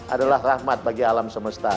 adalah rahmat bagi alam semesta